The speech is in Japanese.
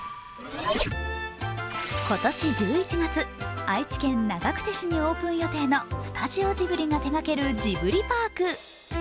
今年１１月、愛知県長久手市にオープン予定のスタジオジブリが手がけるジブリパーク。